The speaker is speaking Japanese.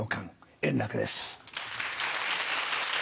円楽です。